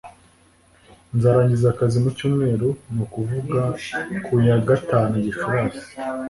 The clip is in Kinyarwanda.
Nzarangiza akazi mu cyumweru ni ukuvuga ku ya gatanu Gicurasi